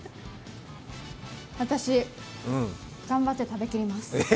私、頑張って食べきります。